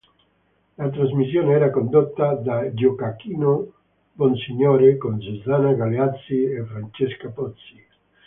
La trasmissione era condotta da Gioacchino Bonsignore con Susanna Galeazzi e Francesca Pozzi.